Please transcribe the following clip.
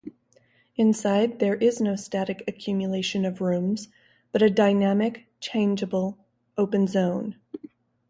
Inside there is no static accumulation of rooms, but a dynamic, changeable open zone.